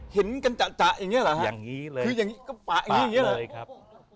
เห็นกันจะอย่างนี้เหรอฮะคืออย่างนี้ก็ปะอย่างนี้เหรอปะเลยครับ